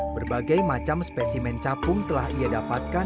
berbagai macam spesimen capung telah ia dapatkan